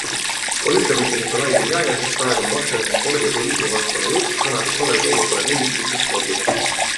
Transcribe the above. Olümpiavõitja Nikolai Guljajev, kes praegu on Moskva linna spordi- ja turimisivaldkonna juht, sõnas, et tollel keelul pole mingit pistmist spordiga.